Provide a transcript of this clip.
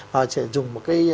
họ sẽ dùng một cái